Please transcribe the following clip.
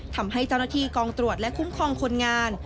ทำให้เจ้าหน้าที่กองตรวจและคุ้มครองคนงาน